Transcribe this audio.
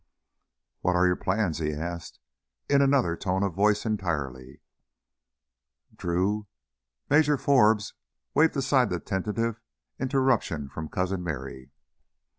"What are your plans?" he asked in another tone of voice entirely. "Drew " Major Forbes waved aside that tentative interruption from Cousin Merry.